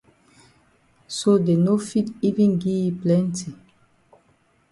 So dey no fit even gi yi plenti.